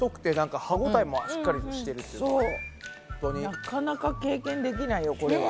なかなか経験できないよこれは。